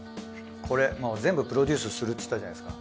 これ全部プロデュースするって言ったじゃないですか。